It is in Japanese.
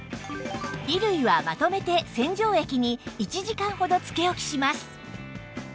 衣類はまとめて洗浄液に１時間ほどつけ置きします